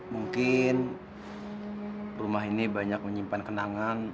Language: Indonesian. mungkin rumah ini banyak menyimpan kenangan